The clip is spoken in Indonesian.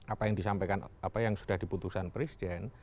apa yang disampaikan apa yang sudah diputuskan presiden